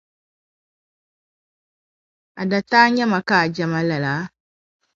A dataa nye ma k' a je ma lala?